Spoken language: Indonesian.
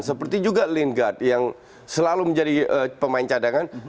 seperti juga lingard yang selalu menjadi pemain cadangan